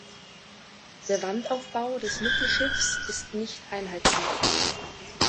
Der Wandaufbau des Mittelschiffs ist nicht einheitlich.